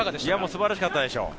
素晴らしかったでしょう。